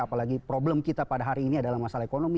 apalagi problem kita pada hari ini adalah masalah ekonomi